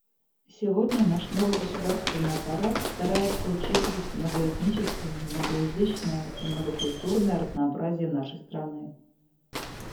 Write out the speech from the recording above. Сегодня наш новый государственный аппарат старается учитывать многоэтническое, многоязычное и многокультурное разнообразие нашей страны.